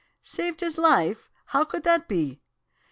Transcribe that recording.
"'Saved his life? How could that be?